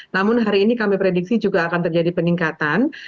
namun hari ini kami prediksi juga akan terjadi peningkatan